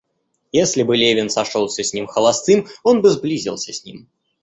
Если бы Левин сошелся с ним холостым, он бы сблизился с ним.